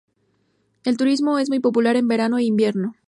El turismo es muy popular en verano e invierno.